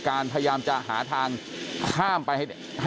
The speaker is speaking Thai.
คุณภูริพัฒน์บุญนิน